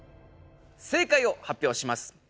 正解を発表します。